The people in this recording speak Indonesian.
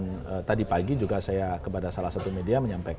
maka pada kesempatan tadi pagi juga saya kepada salah satu media menyampaikan